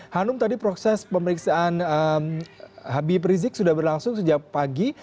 hanum tadi proses pemeriksaan habib rizik sudah berlangsung sejak pagi